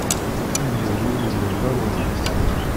Ad iru win yellan d aṛumi.